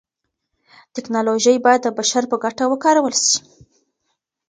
تکنالوژي بايد د بشر په ګټه وکارول سي.